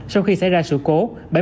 sau khi xảy ra sự cố